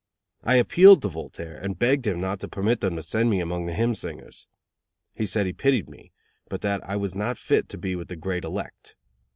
I appealed to Voltaire, and begged him not to permit them to send me among the hymn singers. He said he pitied me, but that I was not fit to be with the great elect.